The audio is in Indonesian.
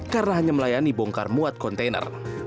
karena hanya melayani bongkar muat kontainer